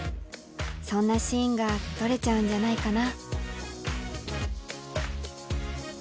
そんなシーンが撮れちゃうんじゃないかな。